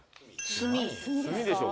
炭でしょ